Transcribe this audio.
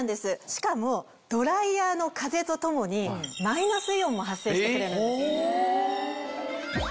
しかもドライヤーの風と共にマイナスイオンも発生してくれるんです。